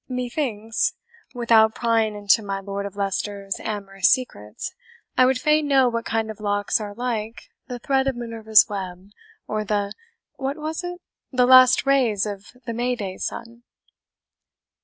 Methinks, without prying into my Lord of Leicester's amorous secrets, I would fain know what kind of locks are like the thread of Minerva's web, or the what was it? the last rays of the May day sun."